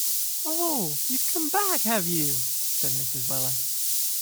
‘Oh, you’ve come back, have you!’ said Mrs. Weller.